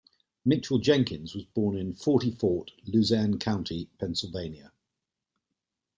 Mitchell Jenkins was born in Forty Fort, Luzerne County, Pennsylvania.